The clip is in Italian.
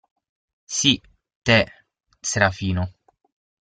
Sì, te, Serafino.